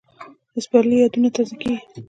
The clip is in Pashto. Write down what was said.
د سپرلي یادونه تازه کېږي